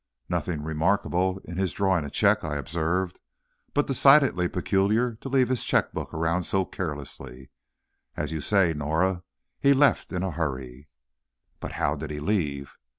"Nothing remarkable in his drawing a check," I observed, "but decidedly peculiar to leave his checkbook around so carelessly. As you say, Norah, he left in a hurry." "But how did he leave?"